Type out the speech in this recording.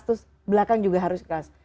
terus belakang juga harus